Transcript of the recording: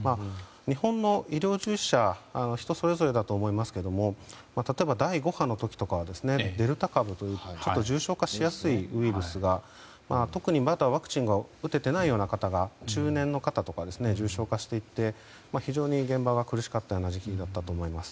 日本の医療従事者人それぞれだと思いますが例えば、第５波の時とかはデルタ株という重症化しやすいウイルスが特にまだワクチンが打ててないような方中年の方などが重症化して非常に現場が苦しかった時期だったと思います。